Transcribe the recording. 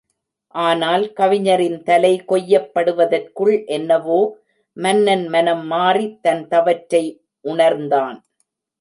ஆனால், கவிஞரின் தலை கொய்யப் படுவதற்குள் என்னவோ, மன்னன் மனம் மாறி தன் தவற்றை உணர்ந்தான்.